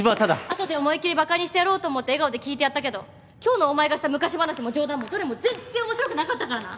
あとで思いっ切りバカにしてやろうと思って笑顔で聞いてやったけど今日のお前がした昔話も冗談もどれも全然面白くなかったからな！